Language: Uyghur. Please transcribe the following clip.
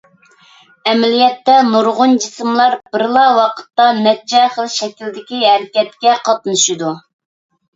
ئەمەلىيەتتە، نۇرغۇن جىسىملار بىرلا ۋاقىتتا نەچچە خىل شەكىلدىكى ھەرىكەتكە قاتنىشىدۇ.